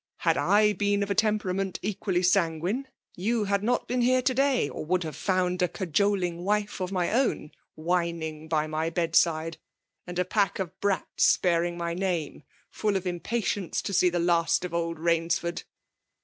' Had / been of a tem perament equaUy sanguine, you had not been here to day ; or would have found a cajoling wife of my own whining by my bed side ; and a pack of brats bearing my isame full of impatience to see the last of old Rainsford